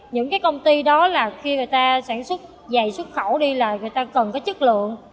những cái công ty đó là khi người ta sản xuất dày xuất khẩu đi là người ta cần có chất lượng